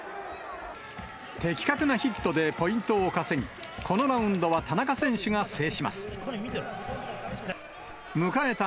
的確なヒットでポイントを稼ぎ、このラウンドは田中選手が制します。